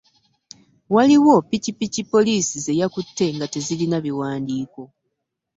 Waliwo pikipiki poliisi ze yakutte nga tezirina biwandiiko.